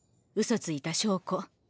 うそついた証拠。